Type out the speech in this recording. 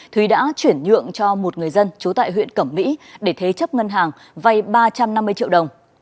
thúy đã chuyển nhượng cho một người dân trú tại huyện cẩm mỹ để thế chấp ngân hàng vay ba trăm năm mươi triệu đồng